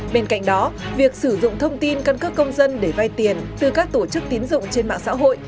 bên cạnh đó việc sử dụng thông tin căn cước công dân để vay tiền từ các tổ chức tín dụng trên mạng xã hội